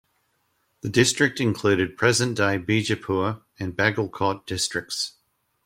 The district included present-day Bijapur and Bagalkot districts.